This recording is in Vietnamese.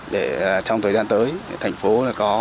để trong thời gian tới thành phố có